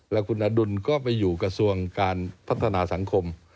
แล้วคุณอดุลก็ไปอยู่กระทรวงการพัฒนาสังคม